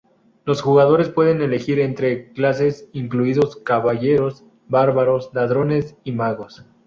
Los jugadores pueden elegir entre clases, incluidos caballeros, bárbaros, ladrones y magos.